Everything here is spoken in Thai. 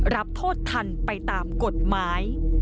รับโทษทันไปตามกฎหมาย